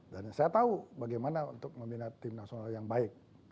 dan saya tahu bagaimana untuk memiliki tim nasional yang baik